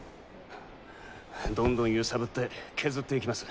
どんどん揺さぶって削っていきます。